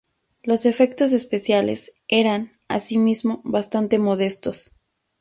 Los efectos especiales eran, así mismo, bastante modestos.